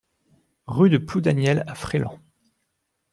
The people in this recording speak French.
Rue de Ploudaniel à Fréland